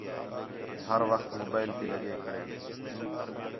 ہر وخت موبائل تی لڳے کھڑین